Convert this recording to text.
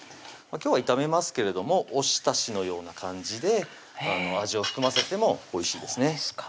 今日は炒めますけれどもお浸しのような感じで味を含ませてもおいしいですね